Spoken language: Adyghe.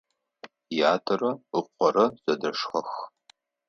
Ятэрэ ыкъорэ зэдэшхэх.